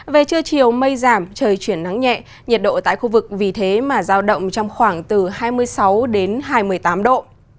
về trưa chiều mây giảm trời chuyển nắng nhẹ nhiệt độ tại khu vực vì thế mà giao động trong khoảng từ hai mươi sáu đến hai mươi tám độ